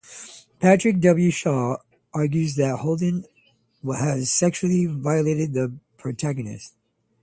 Patrick W. Shaw argues that Holden has sexually violated the protagonist.